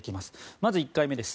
まず１回目です。